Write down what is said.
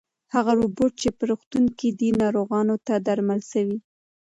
هغه روبوټ چې په روغتون کې دی ناروغانو ته درمل رسوي.